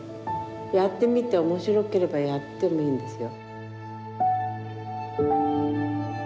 やってみて面白ければやってもいいんですよ。